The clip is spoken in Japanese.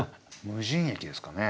「無人駅」ですかね。